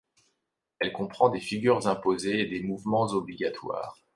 Elle comprend des figures imposées et des mouvements obligatoires.